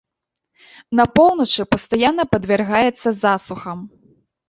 На поўначы пастаянна падвяргаецца засухам.